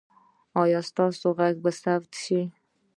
ایا ستاسو غږ به ثبت شي؟